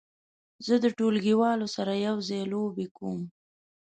زه د ټولګیوالو سره یو ځای لوبې کوم.